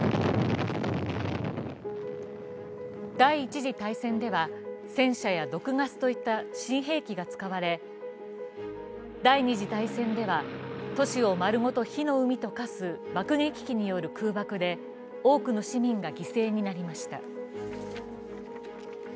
第一次大戦では戦車や毒ガスといった新兵器が使われ、第二次大戦では都市を丸ごと火の海と化す爆撃機による空爆で多くの市民が犠牲になりました。